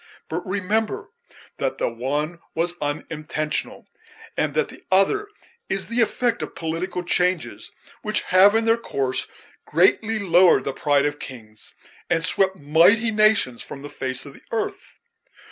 But remember that the one was unintentional, and that the other is the effect of political changes, which have, in their course, greatly lowered the pride of kings, and swept mighty nations from the face of the earth.